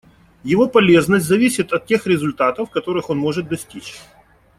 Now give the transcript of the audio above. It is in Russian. Его полезность зависит от тех результатов, которых он может достичь.